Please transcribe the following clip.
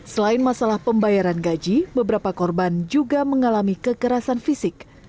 selain masalah pembayaran gaji beberapa korban juga mengalami kekerasan fisik